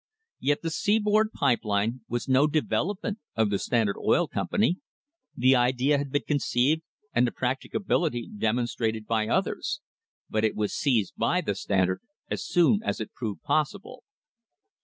Yet the seaboard pipe line was no development of the Stand ard Oil Company. The idea had been conceived and the practicability demonstrated by others, but it was seized by the Standard as soon as it proved possible.